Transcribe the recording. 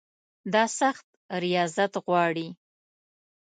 دا سخت ریاضت غواړي.